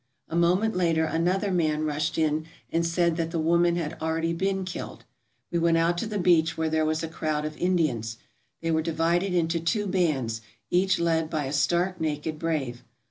A moment later another man rushed in and said that the woman had already been killed. We went out to the beach where there was a crowd of Indians. They were divided into two bands, each led by a stark naked brave.